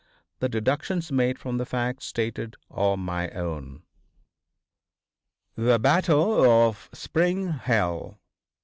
The deductions made from the facts stated are my own. THE BATTLE OF SPRING HILL.